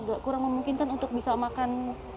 agak kurang memungkinkan untuk bisa makan